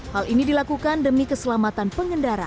hal ini dilakukan demi keselamatan pengendara